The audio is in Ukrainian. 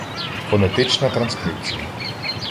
Фонетична транскрипція